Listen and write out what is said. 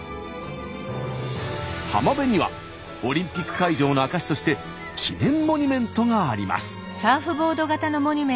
浜辺にはオリンピック会場の証しとして記念モニュメントがあります。